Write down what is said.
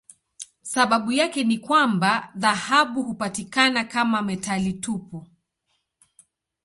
Sababu yake ni kwamba dhahabu hupatikana kama metali tupu.